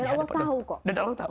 ya allah tahu kok